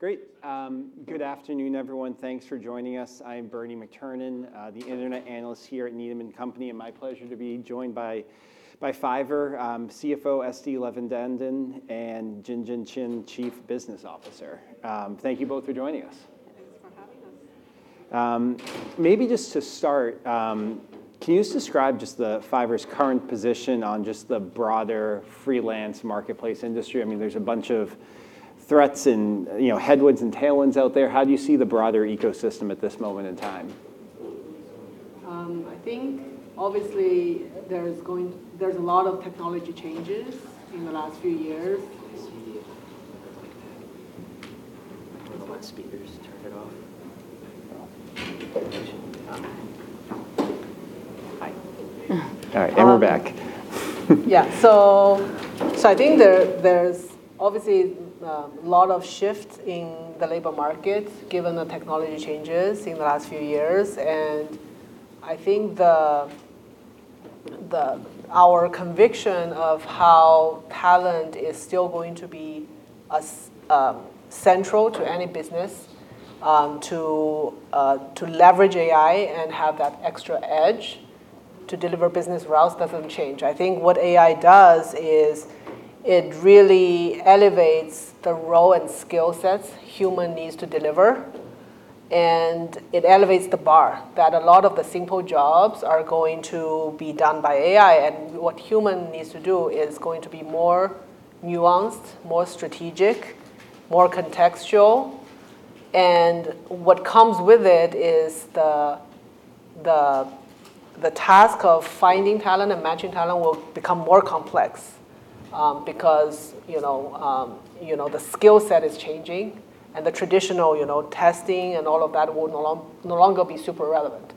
Good. Great. Good afternoon, everyone. Thanks for joining us. I'm Bernie McTernan, the internet analyst here at Needham & Company, and my pleasure to be joined by Fiverr, CFO Esti Levy Dadon and Jinjin Qian, Chief Business Officer. Thank you both for joining us. Thanks for having us. maybe just to start, can you describe just the Fiverr's current position on just the broader freelance marketplace industry? I mean, there's a bunch of threats and, you know, headwinds and tailwinds out there. How do you see the broader ecosystem at this moment in time? I think obviously there's a lot of technology changes in the last few years. I think there's obviously a lot of shifts in the labor market given the technology changes in the last few years. I think our conviction of how talent is still going to be as central to any business to leverage AI and have that extra edge to deliver business results doesn't change. I think what AI does is it really elevates the role and skill sets human needs to deliver, and it elevates the bar that a lot of the simple jobs are going to be done by AI. What human needs to do is going to be more nuanced, more strategic, more contextual. What comes with it is the task of finding talent and matching talent will become more complex because, you know, the skill set is changing and the traditional, you know, testing and all of that would no longer be super relevant.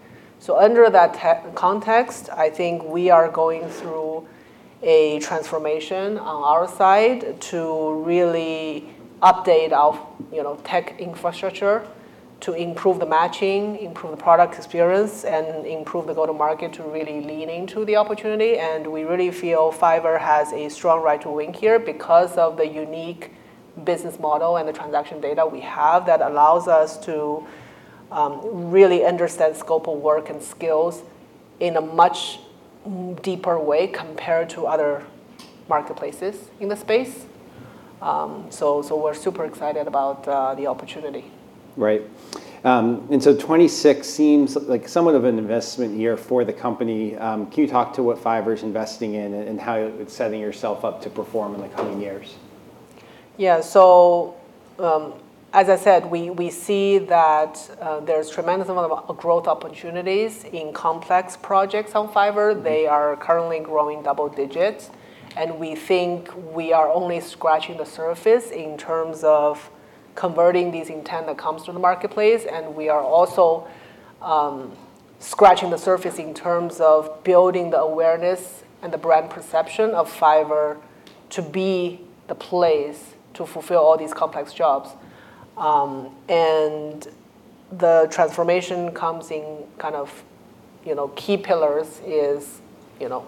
Under that context, I think we are going through a transformation on our side to really update our, you know, tech infrastructure to improve the matching, improve the product experience, and improve the go-to-market to really lean into the opportunity. We really feel Fiverr has a strong right to win here because of the unique business model and the transaction data we have that allows us to really understand scope of work and skills in a much deeper way compared to other marketplaces in the space. So we're super excited about the opportunity. Right. 2026 seems like somewhat of an investment year for the company. Can you talk to what Fiverr's investing in and how it's setting yourself up to perform in the coming years? As I said, we see that there's tremendous amount of growth opportunities in complex projects on Fiverr. They are currently growing double digits, and we think we are only scratching the surface in terms of converting these intent that comes from the marketplace. We are also scratching the surface in terms of building the awareness and the brand perception of Fiverr to be the place to fulfill all these complex jobs. The transformation comes in kind of, you know, key pillars is, you know,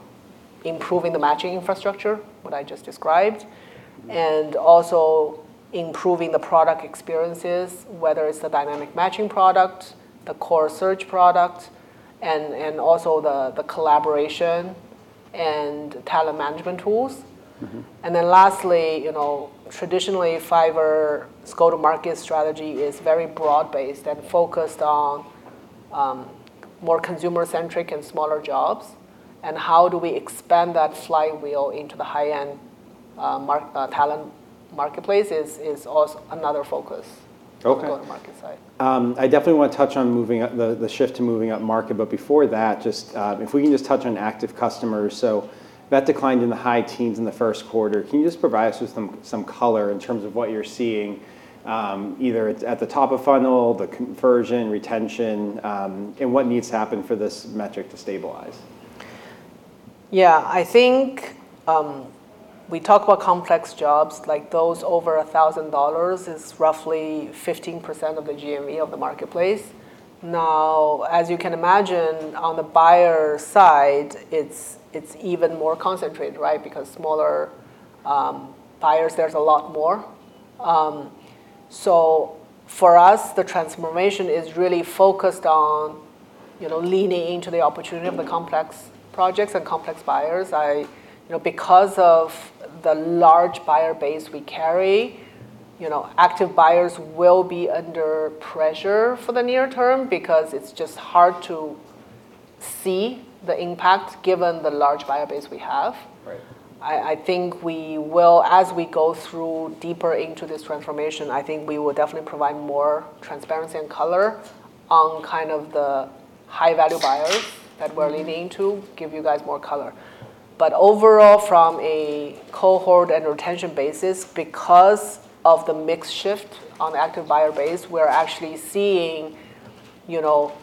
improving the matching infrastructure, what I just described, and also improving the product experiences, whether it's the dynamic matching product, the core search product, and also the collaboration and talent management tools. Lastly, you know, traditionally, Fiverr's go-to-market strategy is very broad-based and focused on more consumer-centric and smaller jobs. How do we expand that flywheel into the high-end talent marketplace is another focus. Okay for go-to-market side. I definitely wanna touch on moving up the shift to moving up market, but before that, if we can just touch on active customers. That declined in the high teens in the Q1. Can you just provide us with some color in terms of what you're seeing, either it's at the top of funnel, the conversion, retention, and what needs to happen for this metric to stabilize? Yeah. I think we talk about complex jobs like those over $1,000 is roughly 15% of the GMV of the marketplace. As you can imagine on the buyer side, it's even more concentrated, right? Smaller buyers, there's a lot more. For us, the transformation is really focused on, you know, leaning into the opportunity of the complex projects and complex buyers. You know, because of the large buyer base we carry, you know, active buyers will be under pressure for the near term because it's just hard to see the impact given the large buyer base we have. Right. I think we will, as we go through deeper into this transformation, I think we will definitely provide more transparency and color on kind of the high value buyers that we're leaning to give you guys more color. Overall, from a cohort and retention basis, because of the mix shift on active buyer base, we're actually seeing, you know,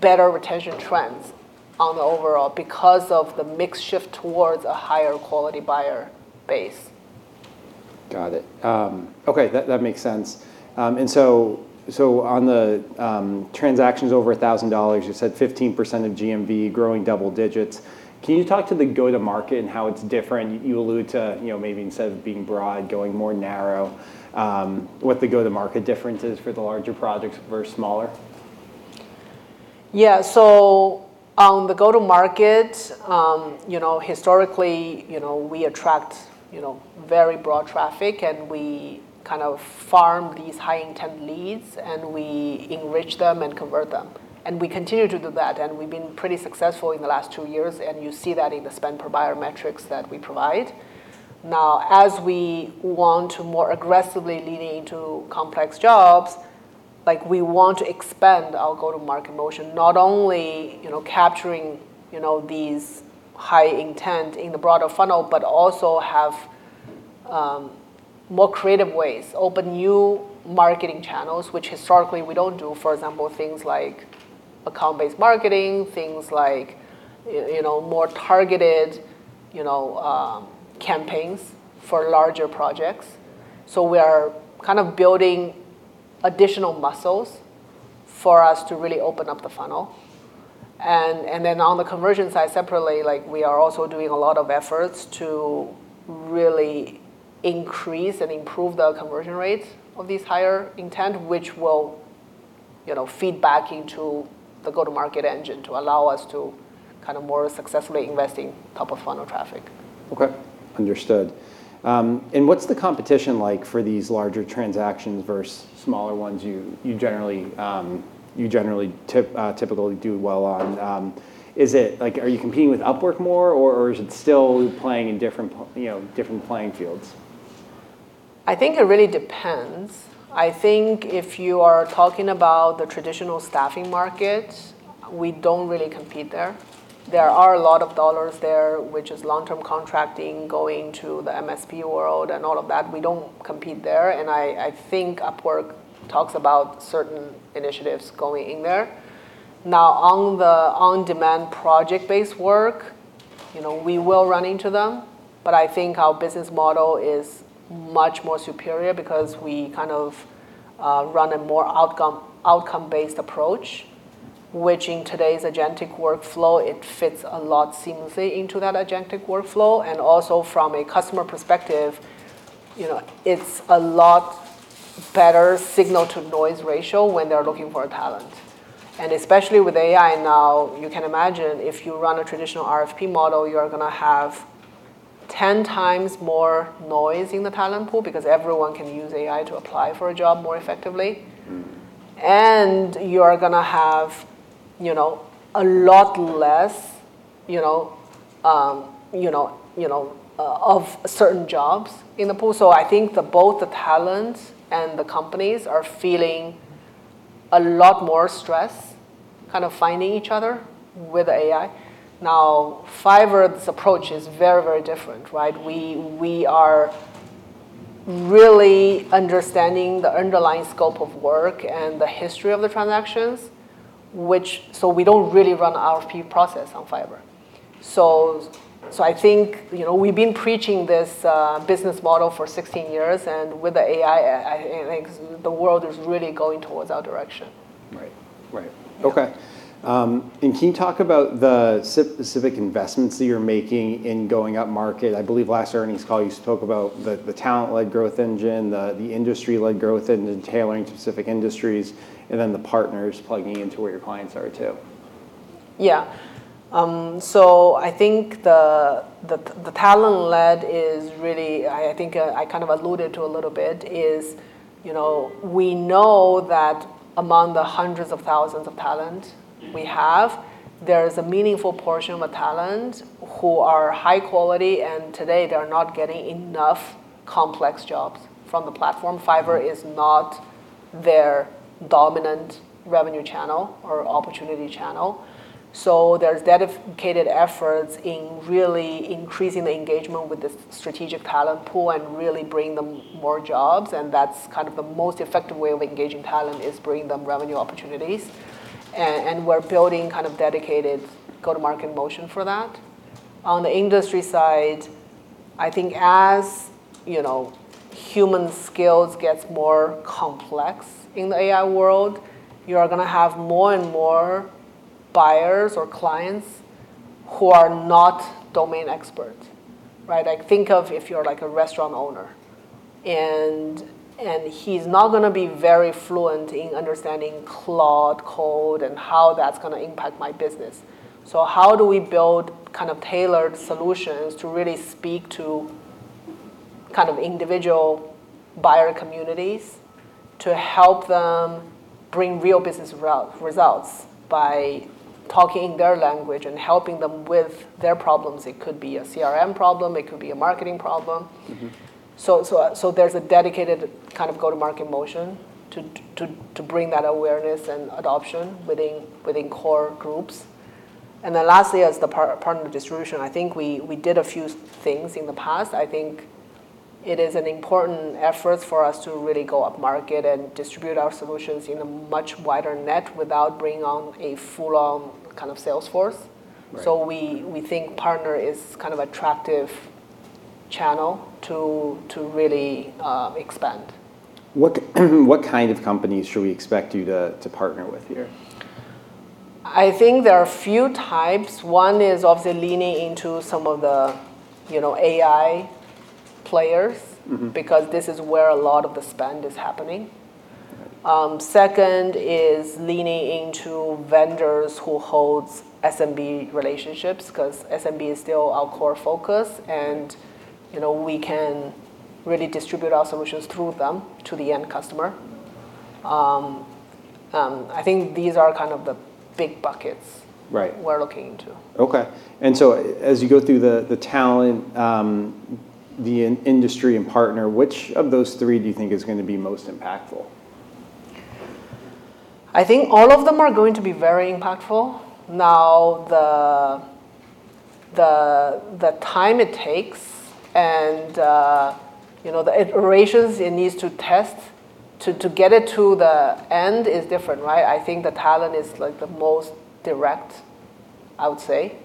better retention trends on the overall because of the mix shift towards a higher quality buyer base. Got it. Okay. That, that makes sense. On the transactions over $1,000, you said 15% of GMV growing double digits. Can you talk to the go-to-market and how it's different? You allude to, you know, maybe instead of being broad, going more narrow, what the go-to-market difference is for the larger projects versus smaller. Yeah. On the go-to-market, you know, historically, you know, we attract, you know, very broad traffic, and we kind of farm these high-intent leads, and we enrich them and convert them. We continue to do that, and we've been pretty successful in the last two years, and you see that in the spend per buyer metrics that we provide. Now, as we want to more aggressively lean into complex jobs, like we want to expand our go-to-market motion, not only, you know, capturing, you know, these high intent in the broader funnel, but also have more creative ways, open new marketing channels, which historically we don't do. For example, things like account-based marketing, things like, you know, more targeted, you know, campaigns for larger projects. We are kind of building additional muscles for us to really open up the funnel. On the conversion side separately, like we are also doing a lot of efforts to really increase and improve the conversion rates of these higher intent, which will, you know, feed back into the go-to-market engine to allow us to kind of more successfully invest in top-of-funnel traffic. Okay. Understood. What's the competition like for these larger transactions versus smaller ones you generally typically do well on? Is it like, are you competing with Upwork more or is it still playing in different you know, different playing fields? I think it really depends. I think if you are talking about the traditional staffing market, we don't really compete there. There are a lot of dollars there, which is long-term contracting going to the MSP world and all of that. We don't compete there, and I think Upwork talks about certain initiatives going in there. On the on-demand project-based work, you know, we will run into them, but I think our business model is much more superior because we kind of run a more outcome-based approach, which in today's agentic workflow, it fits a lot seamlessly into that agentic workflow. Also from a customer perspective, you know, it's a lot better signal-to-noise ratio when they're looking for a talent. Especially with AI now, you can imagine if you run a traditional RFP model, you're gonna have 10x more noise in the talent pool because everyone can use AI to apply for a job more effectively. You are gonna have, you know, a lot less, you know, you know, of certain jobs in the pool. I think that both the talent and the companies are feeling a lot more stress kind of finding each other with AI. Fiverr's approach is very, very different, right? We are really understanding the underlying scope of work and the history of the transactions. We don't really run RFP process on Fiverr. I think, you know, we've been preaching this business model for 16 years, and with the AI, I think the world is really going towards our direction. Right. Okay. Can you talk about the specific investments that you're making in going up market? I believe last earnings call you spoke about the talent-led growth engine, the industry-led growth and tailoring to specific industries, and then the partners plugging into where your clients are too. I think the talent-led is really I think I kind of alluded to a little bit, you know, we know that among the hundreds of thousands of talent we have, there is a meaningful portion of talent who are high quality, and today they are not getting enough complex jobs from the platform. Fiverr is not their dominant revenue channel or opportunity channel. There's dedicated efforts in really increasing the engagement with the strategic talent pool and really bring them more jobs, and that's kind of the most effective way of engaging talent, is bringing them revenue opportunities. We're building kind of dedicated go-to-market motion for that. On the industry side, I think as, you know, human skills gets more complex in the AI world, you are gonna have more and more buyers or clients who are not domain experts, right? Like think of if you're like a restaurant owner, and he's not gonna be very fluent in understanding Claude Code and how that's gonna impact my business. How do we build kind of tailored solutions to really speak to kind of individual buyer communities to help them bring real business results by talking their language and helping them with their problems? It could be a CRM problem. It could be a marketing problem. There's a dedicated kind of go-to-market motion to bring that awareness and adoption within core groups. Lastly, as the partner distribution, I think we did a few things in the past. I think it is an important effort for us to really go up market and distribute our solutions in a much wider net without bringing on a full-on kind of sales force. We think partner is kind of attractive channel to really expand. What kind of companies should we expect you to partner with here? I think there are a few types. One is obviously leaning into some of the, you know, AI players. This is where a lot of the spend is happening. Second is leaning into vendors who holds SMB relationships, 'cause SMB is still our core focus and, you know, we can really distribute our solutions through them to the end customer. I think these are kind of the big buckets we're looking into. Okay. As you go through the talent, industry and partner, which of those three do you think is gonna be most impactful? I think all of them are going to be very impactful. The time it takes and, you know, the iterations it needs to test to get it to the end is different, right? I think the talent is, like, the most direct, I would say.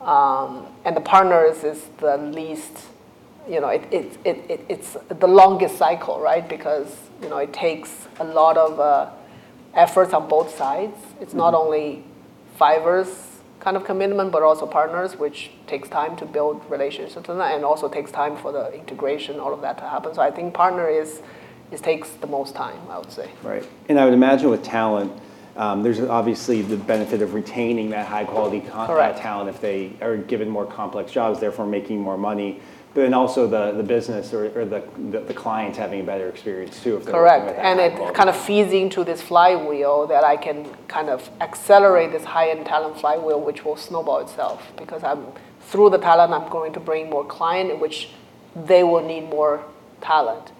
The partners is the least, you know, it's the longest cycle, right? Because, you know, it takes a lot of efforts on both sides. It's not only Fiverr's kind of commitment, but also partners, which takes time to build relationships and that, and also takes time for the integration, all of that to happen. It takes the most time, I would say. Right. I would imagine with talent, there's obviously the benefit of retaining that high quality. Correct talent if they are given more complex jobs, therefore making more money. Also the business or the clients having a better experience too. Correct. It kind of feeds into this flywheel that I can kind of accelerate this high-end talent flywheel, which will snowball itself. Through the talent, I'm going to bring more client, which they will need more talent.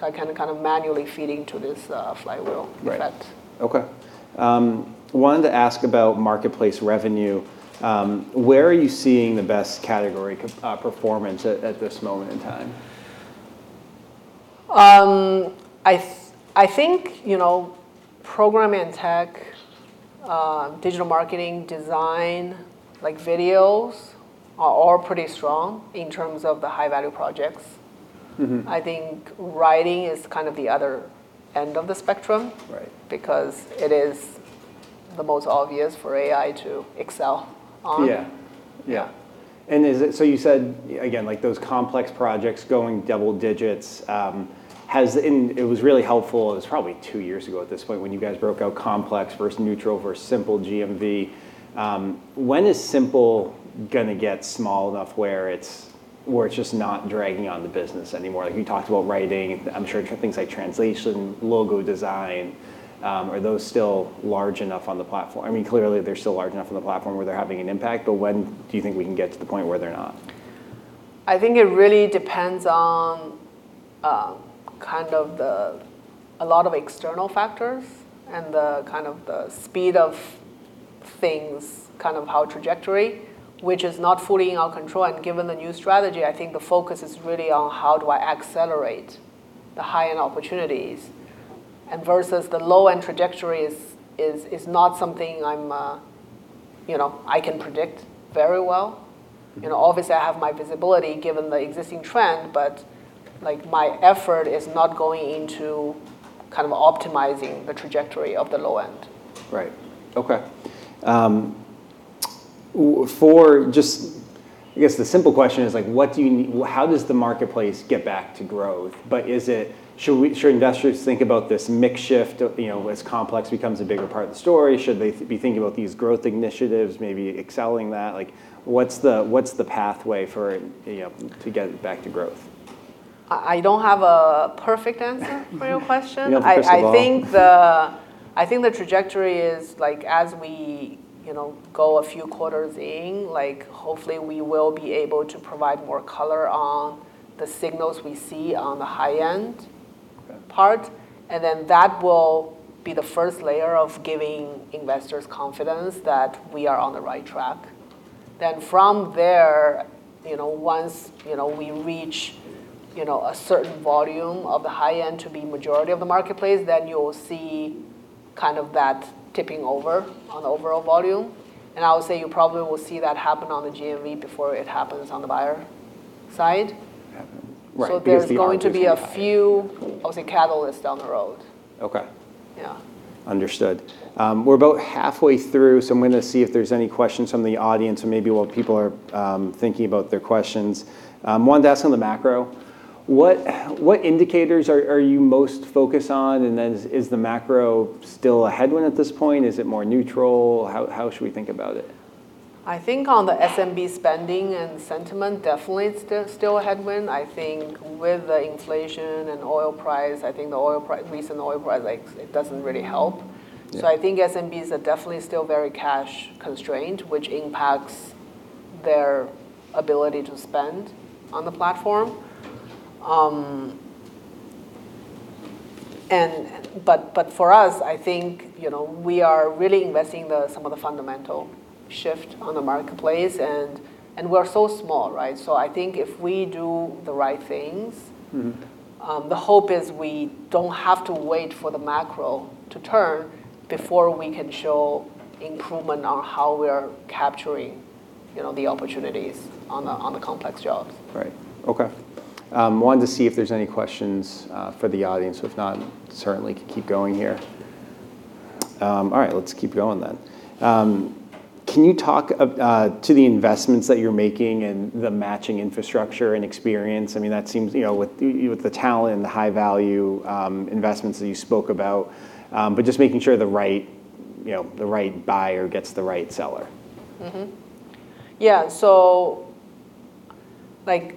I kind of manually feeding to this flywheel effect. Right. Okay. I wanted to ask about marketplace revenue. Where are you seeing the best category performance at this moment in time? I think, you know, program and tech, digital marketing, design, like videos, are all pretty strong in terms of the high-value projects. I think writing is kind of the other end of the spectrum. Right Because it is the most obvious for AI to excel on. Yeah, yeah. Is it you said, again, like those complex projects going double digits? It was really helpful, it was probably two years ago at this point, when you guys broke out Complex versus Neutral versus Simple GMV. When is Simple gonna get small enough where it’s just not dragging on the business anymore? Like, you talked about writing. I’m sure things like translation, logo design, are those still large enough on the platform? I mean, clearly they’re still large enough on the platform where they’re having an impact, but when do you think we can get to the point where they’re not? I think it really depends on kind of the, a lot of external factors and the, kind of the speed of things, kind of how trajectory, which is not fully in our control. Given the new strategy, I think the focus is really on how do I accelerate the high-end opportunities. Versus the low-end trajectory is not something I'm, you know, I can predict very well. You know, obviously I have my visibility given the existing trend, but, like, my effort is not going into kind of optimizing the trajectory of the low end. Right. Okay. How does the marketplace get back to growth? Should investors think about this mix shift of, you know, as complex becomes a bigger part of the story? Should they be thinking about these growth initiatives, maybe excelling that? Like, what's the pathway for, you know, to get back to growth? I don't have a perfect answer for your question. You don't have a crystal ball. I think the trajectory is, like, as we, you know, go a few quarters in, like, hopefully we will be able to provide more color on the signals we see on the high end part. That will be the first layer of giving investors confidence that we are on the right track. From there, you know, once, you know, we reach, you know, a certain volume of the high end to be majority of the marketplace, then you'll see kind of that tipping over on the overall volume. I would say you probably will see that happen on the GMV before it happens on the buyer side. Right, because. There's going to be a few, I would say, catalysts down the road. Okay. Yeah. Understood. We're about halfway through, so I'm going to see if there's any questions from the audience or maybe while people are thinking about their questions. Wanted to ask on the macro, what indicators are you most focused on? Is the macro still a headwind at this point? Is it more neutral? How should we think about it? I think on the SMB spending and sentiment, definitely it's still a headwind. I think with the inflation and oil price, I think the recent oil price, like, it doesn't really help. I think SMBs are definitely still very cash constrained, which impacts their ability to spend on the platform. But for us, I think, you know, we are really investing some of the fundamental shift on the marketplace and we're so small, right? I think if we do the right things. The hope is we don't have to wait for the macro to turn before we can show improvement on how we are capturing, you know, the opportunities on the, on the complex jobs. Right. Okay. wanted to see if there's any questions for the audience. If not, certainly could keep going here. All right, let's keep going then. Can you talk to the investments that you're making and the matching infrastructure and experience? I mean, that seems, you know, with the, with the talent and the high value investments that you spoke about, but just making sure the right, you know, the right buyer gets the right seller. Yeah. Like we, you know, I think, like,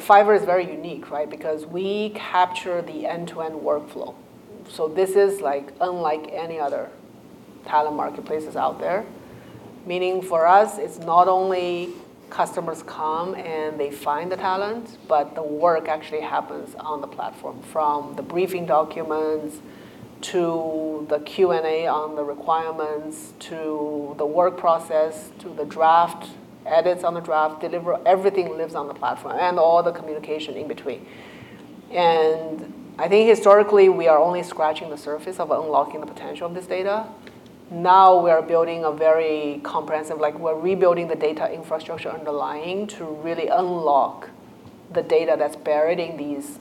Fiverr is very unique, right? Because we capture the end-to-end workflow. This is, like, unlike any other talent marketplaces out there. Meaning for us, it's not only customers come and they find the talent, but the work actually happens on the platform from the briefing documents, to the Q&A on the requirements, to the work process, to the draft, edits on the draft, deliver, everything lives on the platform, and all the communication in between. I think historically, we are only scratching the surface of unlocking the potential of this data. Now we are building a very comprehensive, we're rebuilding the data infrastructure underlying to really unlock the data that's buried in these,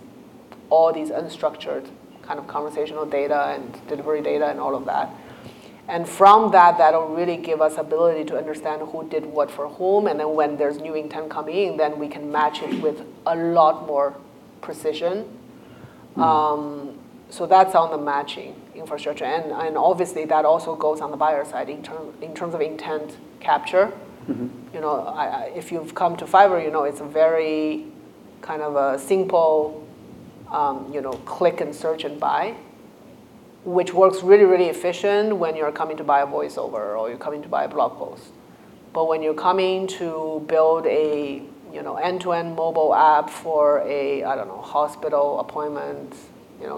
all these unstructured kind of conversational data and delivery data and all of that. From that'll really give us ability to understand who did what for whom, when there's new intent coming in, we can match it with a lot more precision. That's on the matching infrastructure. Obviously that also goes on the buyer side in terms of intent capture. You know, if you've come to Fiverr, you know it's a very kind of a simple, click and search and buy, which works really, really efficient when you're coming to buy a voiceover or you're coming to buy a blog post. When you're coming to build a end-to-end mobile app for a, I don't know, hospital appointment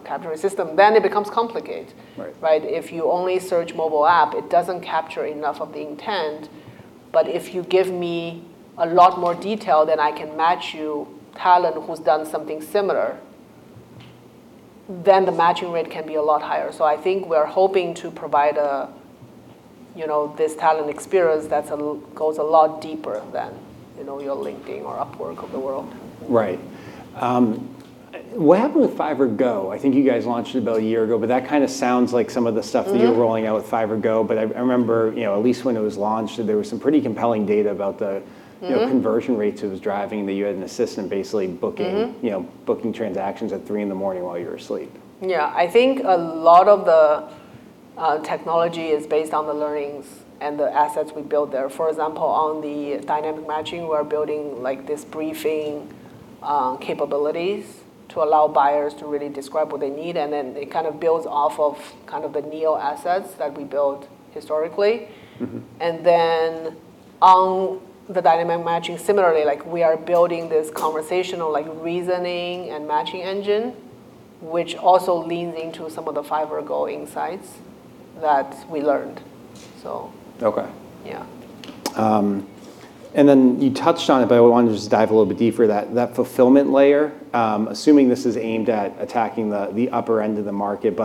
capturing system, then it becomes complicated. Right? If you only search mobile app, it doesn't capture enough of the intent. If you give me a lot more detail, then I can match you talent who's done something similar, then the matching rate can be a lot higher. I think we're hoping to provide a, you know, this talent experience that goes a lot deeper than, you know, your LinkedIn or Upwork of the world. Right. What happened with Fiverr Go? I think you guys launched it about a year ago, that kinda sounds like some of the stuff that you're rolling out with Fiverr Go. I remember, you know, at least when it was launched, there was some pretty compelling data about the. You know, conversion rates it was driving, that you had an assistant basically you know, booking transactions at 3:00 A.M in the morning while you were asleep. Yeah. I think a lot of the technology is based on the learnings and the assets we built there. For example, on the dynamic matching, we're building, like, this briefing capabilities to allow buyers to really describe what they need, and then it kind of builds off of kind of the Neo assets that we built historically. On the dynamic matching similarly, we are building this conversational reasoning and matching engine, which also leans into some of the Fiverr Go insights that we learned. Okay. Yeah. You touched on it, I wanted to just dive a little bit deeper, that fulfillment layer, assuming this is aimed at attacking the upper end of the market.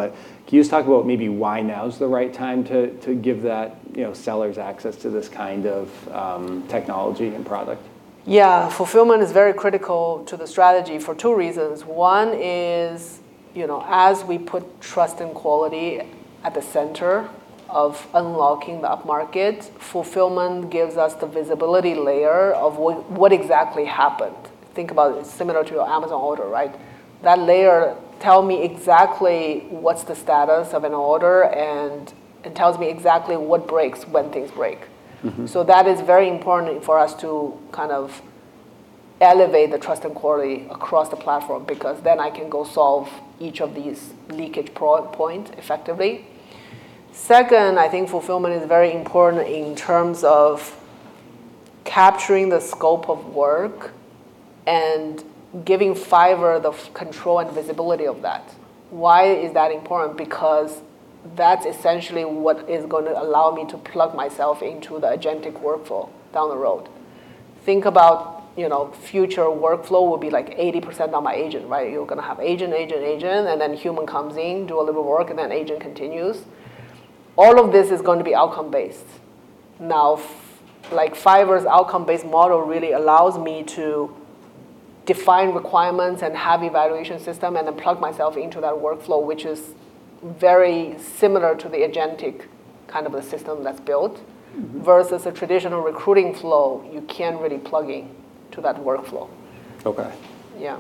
Can you just talk about maybe why now is the right time to give that sellers access to this kind of technology and product? Yeah. Fulfillment is very critical to the strategy for two reasons. One is, you know, as we put trust and quality at the center of unlocking the up-market, fulfillment gives us the visibility layer of what exactly happened. Think about it similar to your Amazon order, right? That layer tell me exactly what's the status of an order, and it tells me exactly what breaks when things break. That is very important for us to kind of elevate the trust and quality across the platform, because then I can go solve each of these leakage points effectively. Second, I think fulfillment is very important in terms of capturing the scope of work and giving Fiverr the control and visibility of that. Why is that important? That's essentially what is going to allow me to plug myself into the agentic workflow down the road. Think about, you know, future workflow will be, like, 80% done by agent, right? You're going to have agent, agent, and then human comes in, do a little work, and then agent continues. All of this is going to be outcome based. Now like, Fiverr's outcome based model really allows me to define requirements and have evaluation system and then plug myself into that workflow, which is very similar to the agentic kind of a system that's built versus a traditional recruiting flow, you can't really plug in to that workflow. Okay. Yeah.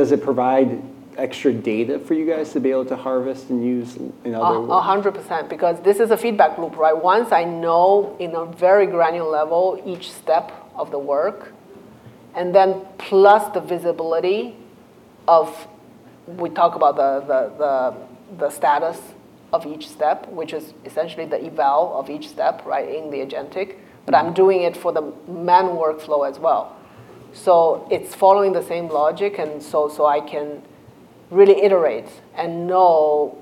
Does it provide extra data for you guys to be able to harvest and use in other ways? 100%. This is a feedback loop, right? Once I know in a very granular level each step of the work, and then plus the visibility of the status of each step, which is essentially the eval of each step, right, in the agentic. I'm doing it for the agentic workflow as well. It's following the same logic. I can really iterate and know,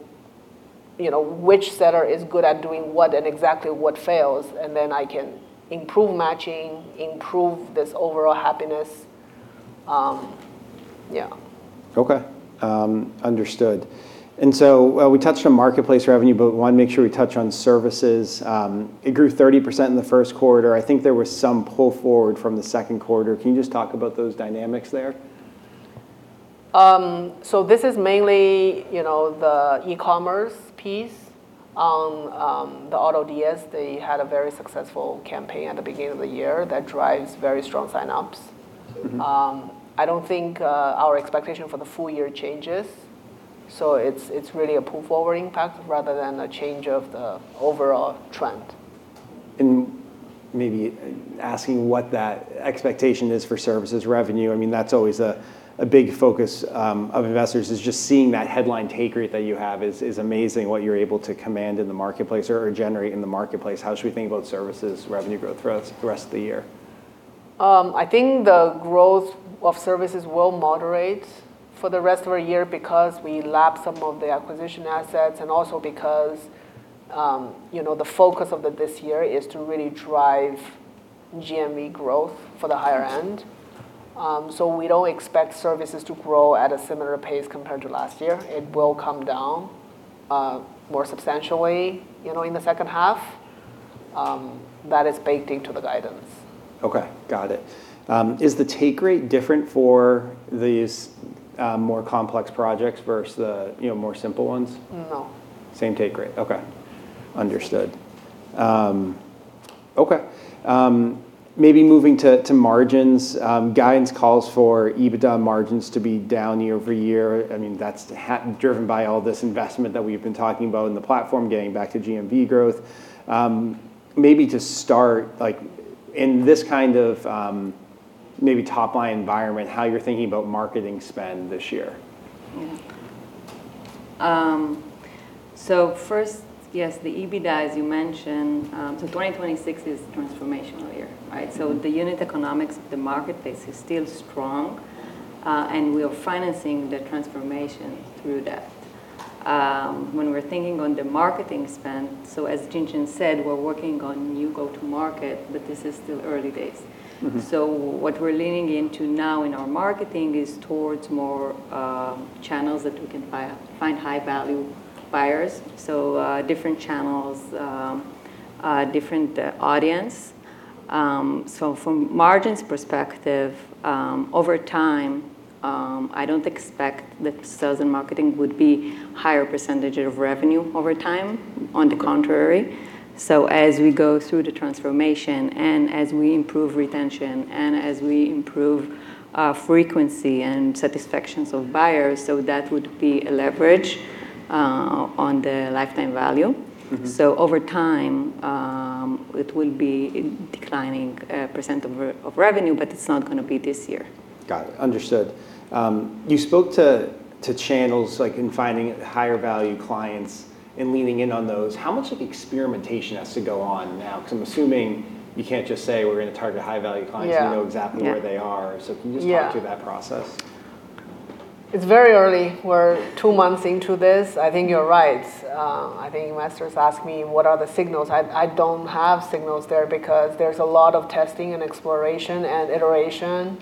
you know, which seller is good at doing what and exactly what fails, and then I can improve matching, improve this overall happiness. Yeah. Okay. Understood. We touched on marketplace revenue, but want to make sure we touch on services. It grew 30% in the first quarter. I think there was some pull forward from the second quarter. Can you just talk about those dynamics there? This is mainly, you know, the e-commerce piece. The AutoDS, they had a very successful campaign at the beginning of the year that drives very strong sign-ups. I don't think our expectation for the full year changes. It's really a pull-forward impact rather than a change of the overall trend. Maybe asking what that expectation is for services revenue. I mean, that's always a big focus of investors is just seeing that headline take rate that you have is amazing what you're able to command in the marketplace or generate in the marketplace. How should we think about services revenue growth throughout the rest of the year? I think the growth of services will moderate for the rest of our year because we lap some of the acquisition assets and also because, you know, the focus of this year is to really drive GMV growth for the higher end. We don't expect services to grow at a similar pace compared to last year. It will come down, more substantially, you know, in the second half. That is baked into the guidance. Okay. Got it. Is the take rate different for these more complex projects versus the, you know, more simple ones? No. Same take rate. Okay. Understood. Okay. Maybe moving to margins. Guidance calls for EBITDA margins to be down year-over-year. I mean, that's driven by all this investment that we've been talking about in the platform, getting back to GMV growth. Maybe to start, like in this kind of, maybe top-line environment, how you're thinking about marketing spend this year. Yeah. First, yes, the EBITDA, as you mentioned, 2026 is a transformational year, right? The unit economics of the marketplace is still strong, we are financing the transformation through that. When we're thinking on the marketing spend, as Jinjin said, we're working on new go-to-market, this is still early days. What we're leaning into now in our marketing is towards more channels that we can find high-value buyers, so different channels, different audience. From margins perspective, over time, I don't expect that sales and marketing would be higher percentage of revenue over time. On the contrary. As we go through the transformation and as we improve retention and as we improve frequency and satisfactions of buyers, that would be a leverage on the lifetime value. Over time, it will be declining, percent of revenue, but it's not gonna be this year. Got it. Understood. You spoke to channels, like in finding higher value clients and leaning in on those. How much of experimentation has to go on now? 'Cause I'm assuming you can't just say, "We're gonna target high-value clients- Yeah we know exactly where they are. Yeah. Can you just talk through that process? It's very early. We're two months into this. I think you're right. I think investors ask me what are the signals. I don't have signals there because there's a lot of testing and exploration and iteration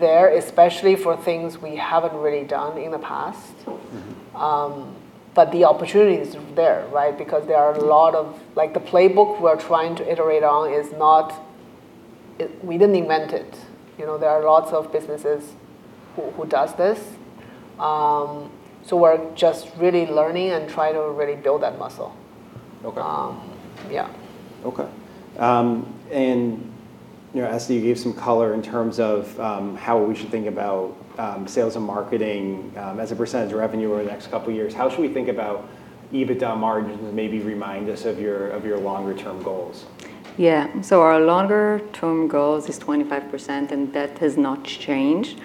there, especially for things we haven't really done in the past. The opportunity is there, right? Like, the playbook we're trying to iterate on, we didn't invent it. You know, there are lots of businesses who does this. We're just really learning and trying to really build that muscle. Okay. Yeah. Okay. You know, as you gave some color in terms of how we should think about sales and marketing as a percentage of revenue over the next couple of years, how should we think about EBITDA margins? Maybe remind us of your longer term goals. Yeah. Our longer term goals is 25%, and that has not changed.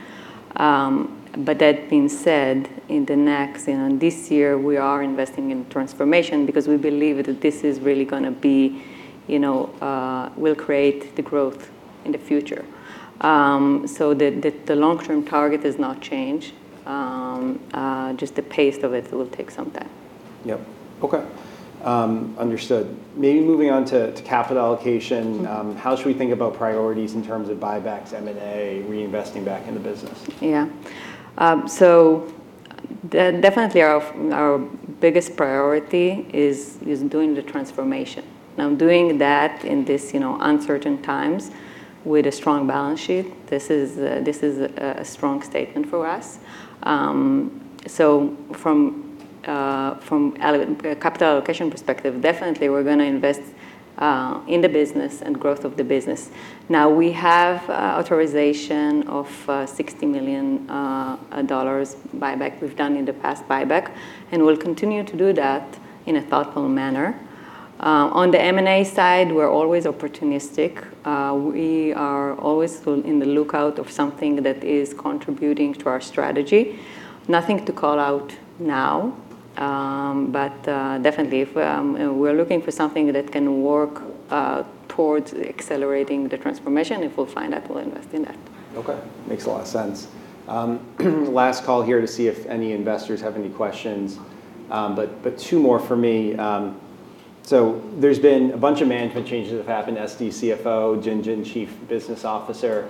That being said, in the next, you know, this year we are investing in transformation because we believe that this is really gonna be, you know, will create the growth in the future. The, long-term target has not changed. Just the pace of it will take some time. Yep. Okay. understood. Maybe moving on to capital allocation. How should we think about priorities in terms of buybacks, M&A, reinvesting back in the business? Definitely our biggest priority is doing the transformation. Doing that in this, you know, uncertain times with a strong balance sheet, this is a strong statement for us. From a capital allocation perspective, definitely we're gonna invest in the business and growth of the business. We have authorization of $60 million buyback. We've done in the past buyback, we'll continue to do that in a thoughtful manner. On the M&A side, we're always opportunistic. We are always on the lookout of something that is contributing to our strategy. Nothing to call out now. Definitely if we're looking for something that can work towards accelerating the transformation. If we'll find that, we'll invest in that. Okay. Makes a lot of sense. Last call here to see if any investors have any questions. But two more for me. There's been a bunch of management changes that have happened. Esti, CFO; Jinjin, Chief Business Officer.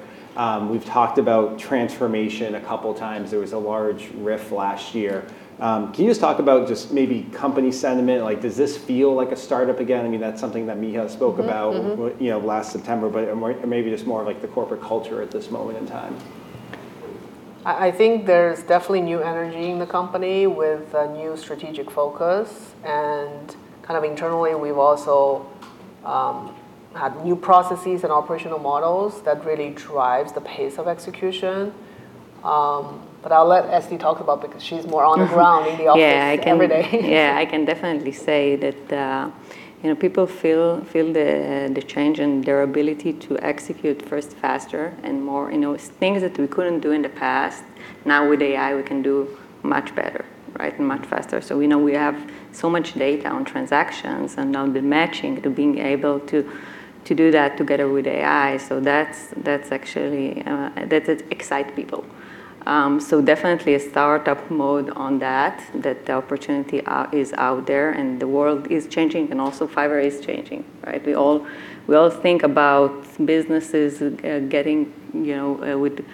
We've talked about transformation a couple times. There was a large RIF last year. Can you just talk about maybe company sentiment? Like, does this feel like a startup again? I mean, that's something that Micha spoke about. You know, last September, but maybe just more like the corporate culture at this moment in time. I think there's definitely new energy in the company with a new strategic focus, and kind of internally we've also had new processes and operational models that really drives the pace of execution. I'll let Esti talk about because she's more on the ground in the office every day. Yeah, I can definitely say that, you know, people feel the change in their ability to execute first faster and more. You know, things that we couldn't do in the past, now with AI we can do much better, right? Much faster. We know we have so much data on transactions and now the matching to being able to do that together with AI, that's actually. That it excites people. Definitely a startup mode on that the opportunity is out there and the world is changing and also Fiverr is changing, right? We all think about businesses, getting, you know, with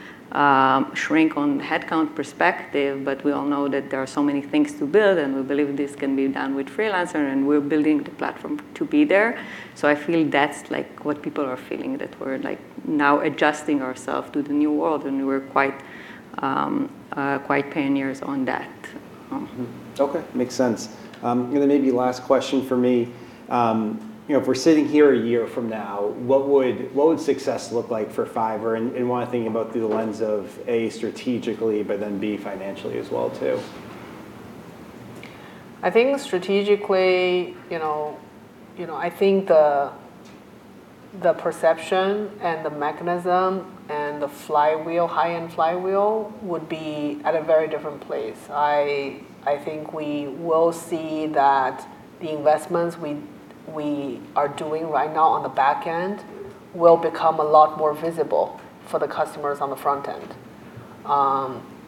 shrink on headcount perspective, but we all know that there are so many things to build, and we believe this can be done with freelancer, and we're building the platform to be there. I feel that's, like, what people are feeling, that we're, like, now adjusting ourself to the new world and we're quite pioneers on that. Okay, makes sense. Maybe last question from me, you know, if we're sitting here a year from now, what would success look like for Fiverr, and wanna think about through the lens of, A, strategically, then B, financially as well too? I think strategically, you know, I think the perception and the mechanism and the flywheel, high-end flywheel would be at a very different place. I think we will see that the investments we are doing right now on the back end will become a lot more visible for the customers on the front end.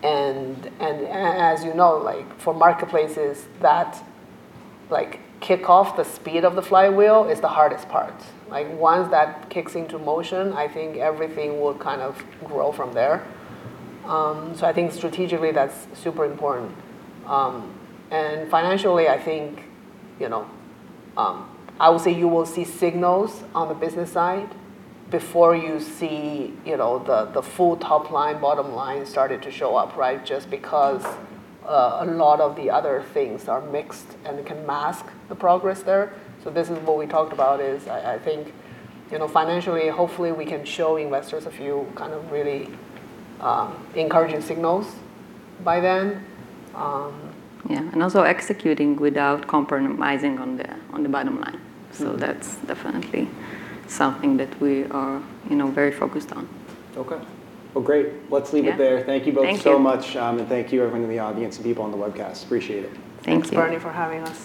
As you know, like, for marketplaces that, like, kick off the speed of the flywheel is the hardest part. Like, once that kicks into motion, I think everything will kind of grow from there. I think strategically that's super important. Financially, I think, you know, I would say you will see signals on the business side before you see, you know, the full top line, bottom line started to show up. Just because a lot of the other things are mixed and can mask the progress there. This is what we talked about, is I think, you know, financially, hopefully we can show investors a few kind of really encouraging signals by then. Yeah, also executing without compromising on the bottom line. That's definitely something that we are, you know, very focused on. Okay. Well, great. Yeah. Let's leave it there. Thank you both so much. Thank you. Thank you everyone in the audience and people on the webcast. Appreciate it. Thanks, Bernie, for having us.